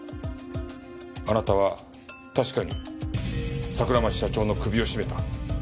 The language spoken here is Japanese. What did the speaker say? あなたは確かに桜町社長の首を絞めた。